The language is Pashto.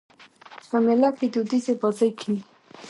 په مېله کښي دودیزي بازۍ کېږي.